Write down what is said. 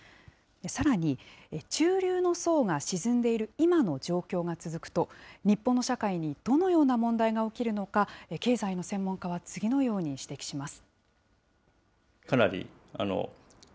さらに、中流の層が沈んでいる今の状況が続くと、日本の社会にどのような問題が起きるのか、経済の専門家は次のように指摘します。